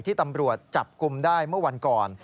ที่ตำรวจจับกลุ่มได้เมื่อวันก่อน